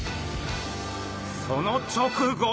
その直後。